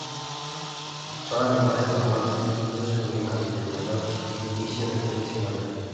Son animales normalmente tímidos que huyen ante el menor indicio de presencia humana.